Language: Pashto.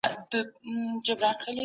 هغه د ټولنپوهني د پياوړتيا لپاره کار کوي.